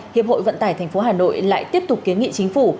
hiệp hội vận tải thành phố hà nội lại tiếp tục kiến nghị chính phủ